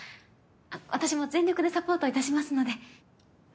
あっ私も全力でサポートいたしますので。